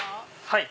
はい。